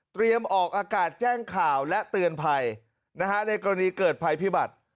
ออกอากาศแจ้งข่าวและเตือนภัยในกรณีเกิดภัยพิบัติ